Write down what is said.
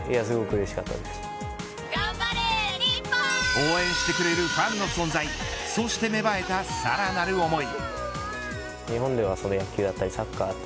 応援してくれるファンの存在そして芽生えたさらなる思い。